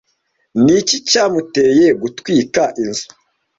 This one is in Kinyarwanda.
Ni iki cyamuteye gutwika inzu?